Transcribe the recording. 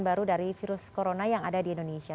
baru dari virus corona yang ada di indonesia